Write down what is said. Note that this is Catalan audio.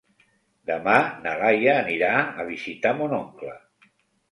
Demà na Laia anirà a visitar mon oncle.